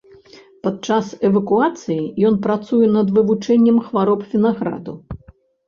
Падчас эвакуацыі ён працуе над вывучэннем хвароб вінаграду.